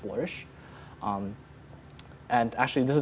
dan sebenarnya ini adalah motto saya